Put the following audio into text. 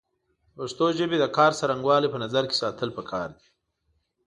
د پښتو ژبې د کار څرنګوالی په نظر کې ساتل پکار دی